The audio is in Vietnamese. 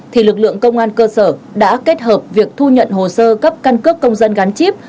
thì lực lượng công an cơ sở đã kết hợp việc thu nhận hồ sơ cấp căn cước công dân gắn chip